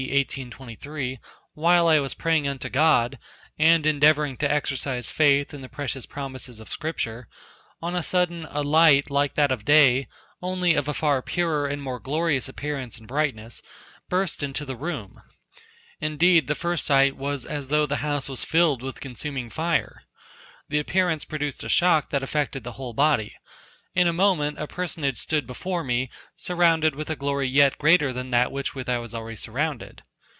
1823, while I was praying unto God, and endeavoring to exercise faith in the precious promises of scripture on a sudden a light like that of day, only of a far purer and more glorious appearance, and brightness burst into the room, indeed the first sight was as though the house was filled with consuming fire; the appearance produced a shock that affected the whole body; in a moment a personage stood before me surrounded with a glory yet greater than that with which I was already surrounded.